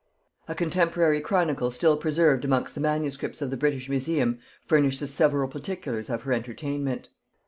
A contemporary chronicle still preserved amongst the MSS of the British Museum, furnishes several particulars of her entertainment.